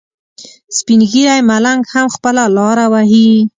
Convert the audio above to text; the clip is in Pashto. سپین ږیری ملنګ هم خپله لاره وهي.